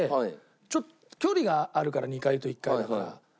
ちょっと距離があるから２階と１階だから。